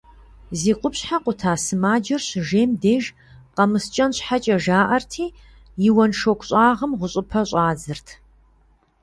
Зи къупщхьэ къута сымаджэр щыжейм деж, къэмыскӏэн щхьэкӏэ жаӏэрти, и уэншоку щӏагъым гъущӏыпэ щӏадзырт.